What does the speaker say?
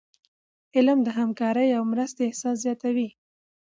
علم د همکاری او مرستي احساس زیاتوي.